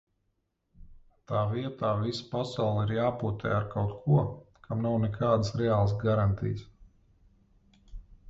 Tā vietā visa pasaule ir jāpotē ar kaut ko, kam nav nekādas reālas garantijas...